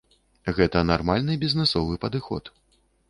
Гэта нармальны бізнэсовы падыход.